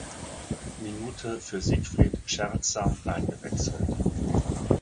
Minute für Siegfried Scherzer eingewechselt.